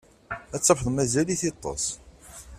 Ad tafeḍ mazal-it yeṭṭes.